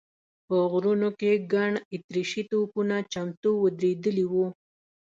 په غرونو کې ګڼ اتریشي توپونه چمتو ودرېدلي و.